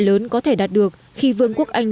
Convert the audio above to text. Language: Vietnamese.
lớn có thể đạt được khi vương quốc anh